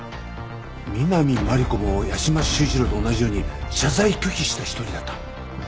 南真理子も屋島修一郎と同じように謝罪拒否した一人だった。